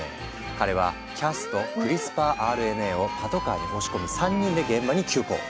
彼はキャスとクリスパーＲＮＡをパトカーに押し込み３人で現場に急行。